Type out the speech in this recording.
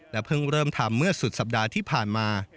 เพิ่งเริ่มทำเมื่อสุดสัปดาห์ที่ผ่านมา